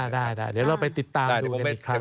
ได้เราไปติดตามดูอีกครั้ง